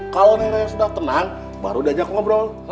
kalau neng raya sudah tenang baru danyaku ngobrol